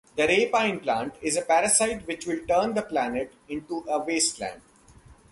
The rapine plant is a parasite which will turn the planet into a wasteland.